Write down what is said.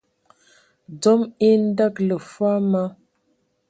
Dzom e andǝgələ fɔɔ ma,